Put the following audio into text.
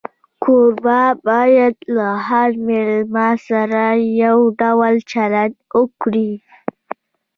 کوربه باید له هر مېلمه سره یو ډول چلند وکړي.